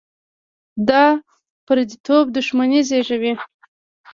دا پرديتوب دښمني زېږوي.